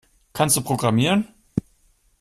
Kannst du programmieren?